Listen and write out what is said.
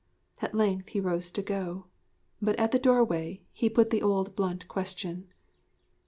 At length he rose to go. But at the doorway he put the old blunt question.